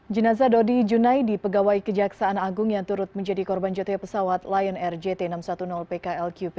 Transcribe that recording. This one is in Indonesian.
jenazah dodi junaidi pegawai kejaksaan agung yang turut menjadi korban jatuhnya pesawat lion air jt enam ratus sepuluh pklqp